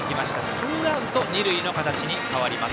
ツーアウト二塁に変わります。